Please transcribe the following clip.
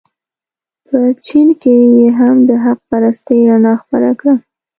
په چین کې یې هم د حق پرستۍ رڼا خپره کړه.